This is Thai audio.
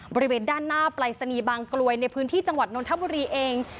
บริเวณด้านหน้าปรายศนีย์บางกลวยในพื้นที่จังหวัดนทบุรีเอง